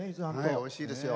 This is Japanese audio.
おいしいですよ。